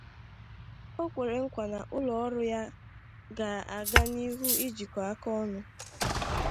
O kwere nkwà na ụlọọrụ ya ga-aga n'ihu ijikọ aka ọnụ